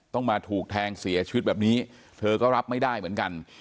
ต้องมาถูกแทงเสียชีวิตแบบนี้เธอก็รับไม่ได้เหมือนกัน